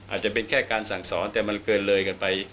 อาจจะเป็นแค่การสั่งสอนแต่มันเกินเลยเกินไป